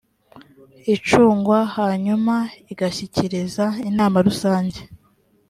icungwa hanyuma igashyikiriza inama rusange